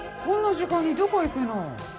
こんな時間にどこ行くの？